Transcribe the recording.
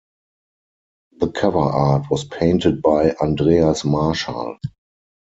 The cover art was painted by Andreas Marschall.